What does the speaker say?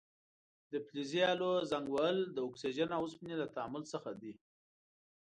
د فلزي الو زنګ وهل د اکسیجن او اوسپنې له تعامل څخه دی.